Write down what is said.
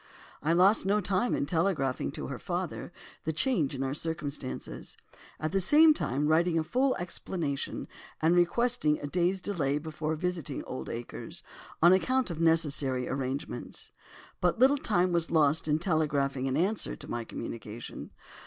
I lost no time in telegraphing to her father the change in our circumstances, at the same time writing a full explanation and requesting a day's delay before visiting Oldacres, on account of necessary arrangements. But little time was lost in telegraphing an answer to my communication.